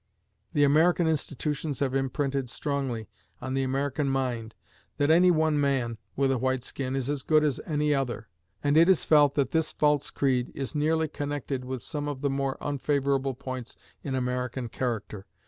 The American institutions have imprinted strongly on the American mind that any one man (with a white skin) is as good as any other; and it is felt that this false creed is nearly connected with some of the more unfavorable points in American character.